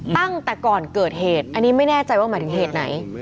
ตั้งแต่ก่อนเกิดเหตุอันนี้ไม่แน่ใจว่าหมายถึงเหตุไหน